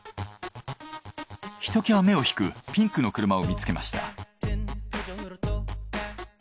ひと際目を引くピンクの車を見つけました。